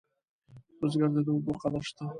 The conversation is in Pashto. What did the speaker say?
بزګر ته د اوبو قدر شته